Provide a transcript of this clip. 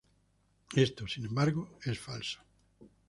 Esto, sin embargo, es falso.